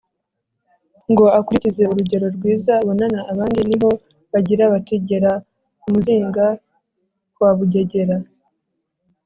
ngo akurikize urugero rwiza abonana abandi; ni ho bagira bati: “Gera umuzinga ku wa Bugegera!”